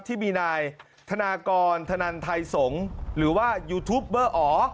ที่มีนายธนากรธนันไทยสงฆ์หรือว่ายูทูปเบอร์อ๋อ